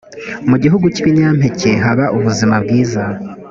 mu gihugu cy’ibinyampeke haba ubuzima bwiza